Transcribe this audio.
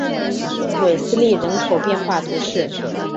韦斯利人口变化图示